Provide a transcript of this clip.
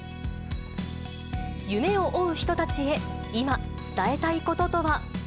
夢を追う人たちへ、今、伝えたいこととは。